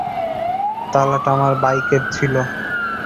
তালাটা আমার বাইকের ছিল।